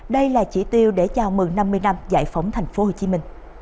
đây là chỉ tiêu để chào mừng năm mươi năm giải phóng tp hcm